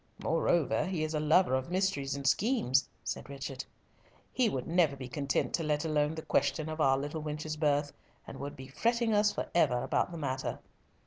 "Moreover, he is a lover of mysteries and schemes," said Richard. "He would never be content to let alone the question of our little wench's birth, and would be fretting us for ever about the matter."